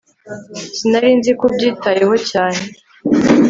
sinari nzi ko ubyitayeho cyane